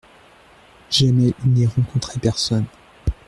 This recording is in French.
Jamais il n'y rencontrait personne.